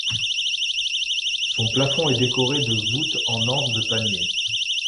Son plafond est décoré de voûtes en anse de panier.